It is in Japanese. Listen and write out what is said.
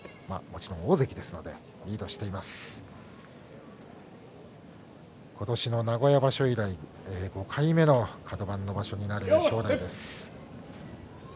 もちろん大関ですので今年の名古屋場所以来５回目のカド番の場所となる正代です。